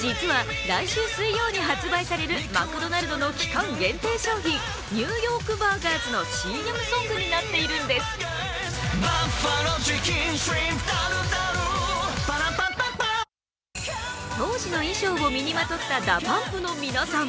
実は来週水曜に発売されるマクドナルドの期間限定商品、Ｎ．Ｙ．バーガーズのＣＭソングになっているんです当時の衣装を身にまとったＤＡＰＵＭＰの皆さん。